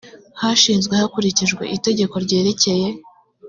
yashinzwe hakurikijwe itegeko ryerekeye